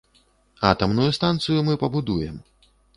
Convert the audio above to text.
Атамную станцыю мы пабудуем.